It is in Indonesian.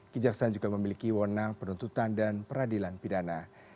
kejaksaan juga memiliki wonang penuntutan dan peradilan pidana